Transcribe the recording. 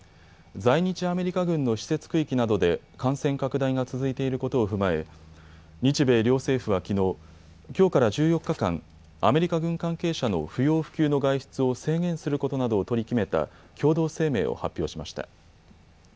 在日アメリカ軍の施設区域などで感染拡大が続いていることを踏まえ、日米両政府はきのう、きょうから１４日間、アメリカ軍関係者の不要不急の外出を制限することなどを取り決めた共同声明を発表しました。